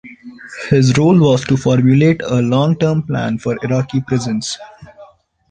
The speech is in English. His role was to formulate a long term plan for Iraqi prisons.